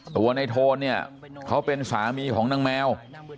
ตัวในโทนเนี่ยเขาเป็นสามีของนางแมว